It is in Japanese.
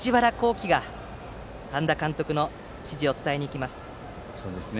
己が半田監督の指示を伝えに行きます。